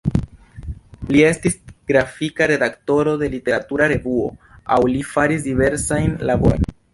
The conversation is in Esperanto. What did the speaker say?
Li estis grafika redaktoro de literatura revuo aŭ li faris diversajn laborojn.